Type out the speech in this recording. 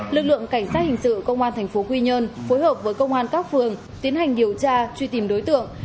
lực lượng cảnh sát hình sự công an tp quy nhơn phối hợp với công an các phường tiến hành điều tra truy tìm đối tượng